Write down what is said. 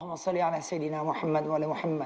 kami berdoa kepada tuhan muhammad